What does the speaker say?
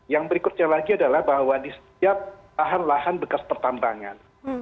yang berikutnya lagi adalah bahwa di setiap lahan lahan bekas pertambangan